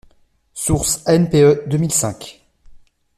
Source : ANPE, deux mille cinq.